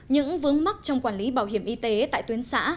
những vướng mắc trong quản lý bảo hiểm y tế tại tuyến xã